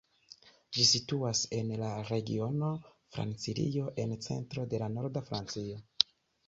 Ĝi situas en la regiono Francilio en centro de norda Francio.